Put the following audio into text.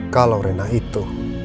kalau rena itu